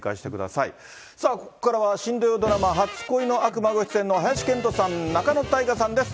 さあ、ここからは新土曜ドラマ、初恋の悪魔ご出演の林遣都さん、仲野太賀さんです。